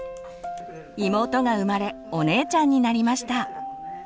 妹が生まれお姉ちゃんになりました。